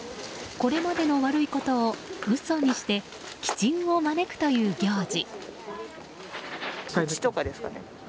これまでの悪いことを嘘にして吉運を招くという行事。